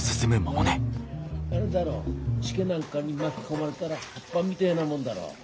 あるだろ時化なんかに巻き込まれだら葉っぱみでえなもんだろう。